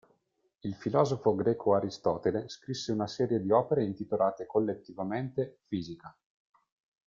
Il filosofo greco Aristotele scrisse una serie di opere intitolate collettivamente "Fisica".